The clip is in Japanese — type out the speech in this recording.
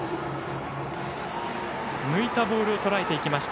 抜いたボールをとらえていきました。